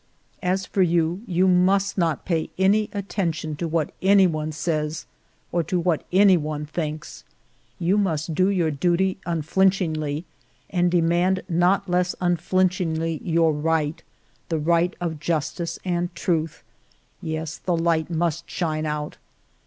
" As for you, you must not pay any attention to what anyone says or to what anyone thinks. You must do your duty unflinchingly, and de mand not less unflinchingly your right, the right of justice and truth. Yes, the light must shine out.